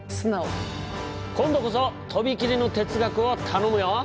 今度こそ飛び切りの哲学を頼むよ！